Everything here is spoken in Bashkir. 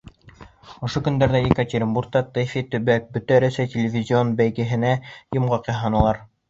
Ошо көндәрҙә Екатеринбургта «Тэфи-төбәк» Бөтә Рәсәй телевизион бәйгеһенә йомғаҡ яһанылар.